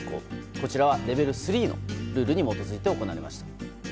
こちらはレベル３のルールに基づいて行われました。